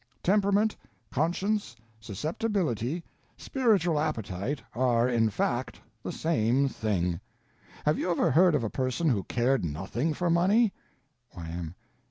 Temperament, Conscience, Susceptibility, Spiritual Appetite, are, in fact, the same thing. Have you ever heard of a person who cared nothing for money? Y.